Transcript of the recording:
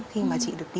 khi mà chị được đi